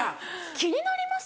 気になります？